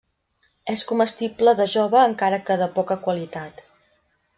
És comestible de jove encara que de poca qualitat.